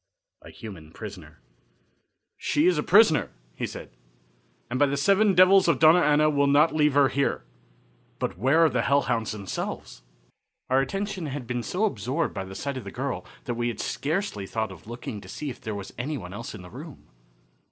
A Human Prisoner. "She is a prisoner," he said, "and by the Seven Devils of Dona Ana we'll not leave her here. But where are the hellhounds themselves?" Our attention had been so absorbed by the sight of the girl that we had scarcely thought of looking to see if there was any one else in the room.